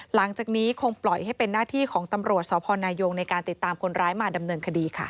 หลังจากนี้คงปล่อยให้เป็นหน้าที่ของตำรวจสพนายงในการติดตามคนร้ายมาดำเนินคดีค่ะ